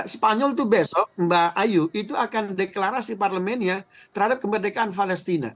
spanyol itu besok mbak ayu itu akan deklarasi parlemennya terhadap kemerdekaan palestina